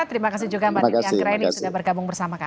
terima kasih juga mbak livia angkera ini sudah bergabung bersama kami